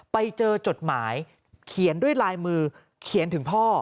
จดหมายเขียนด้วยลายมือเขียนถึงพ่อ